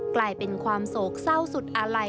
กลายเป็นความโศกเศร้าสุดอาลัย